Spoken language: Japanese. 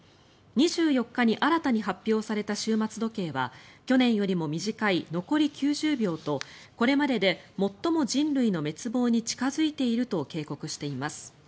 ２４日に新たに発表された終末時計は去年よりも短い、残り９０秒とこれまでで最も人類の滅亡に近付いていると警告しています。